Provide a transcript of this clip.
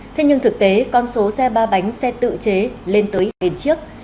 thế nhưng thực tế con số xe ba bánh xe tự chế lên tới đến trước